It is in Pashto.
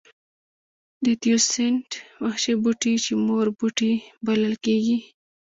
د تیوسینټ وحشي بوټی چې مور بوټی بلل کېږي.